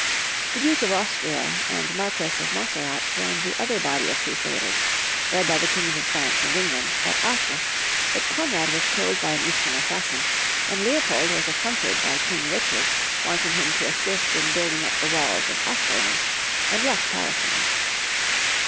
The Duke of Austria and Marquess of Monserrat joined the other body of crusaders, led by the Kings of France and Eng land, at Acre, but Koni ad was killed by an Eastern assassin, and Leopold was aifronted by King Rich ard wanting him to assist in building up the walls Konrad HI. 149 of Ascalon, and left Palestine.